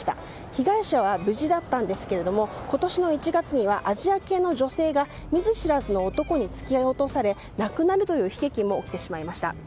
被害者は無事だったんですが今年の１月にはアジア系の女性が見ず知らずの男に突き落とされ亡くなるという悲劇も起きてしまいました。